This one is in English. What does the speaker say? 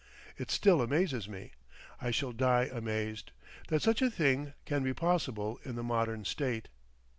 It still amazes me—I shall die amazed—that such a thing can be possible in the modern state.